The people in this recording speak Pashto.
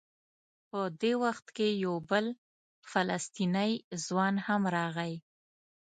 په دې وخت کې یو بل فلسطینی ځوان هم راغی.